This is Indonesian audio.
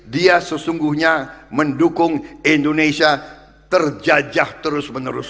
dia sesungguhnya mendukung indonesia terjajah terus menerus